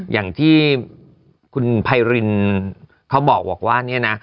อย่างที่คุณไพรินเขาบอกว่าเนี่ยนะ